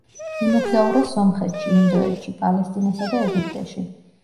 იმოგზაურა სომხეთში, ინდოეთში, პალესტინასა და ეგვიპტეში.